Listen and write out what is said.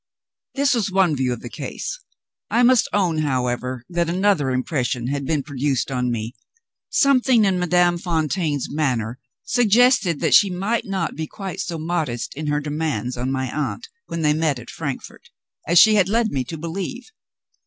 This was one view of the case. I must own, however, that another impression had been produced on me. Something in Madame Fontaine's manner suggested that she might not be quite so modest in her demands on my aunt, when they met at Frankfort, as she had led me to believe.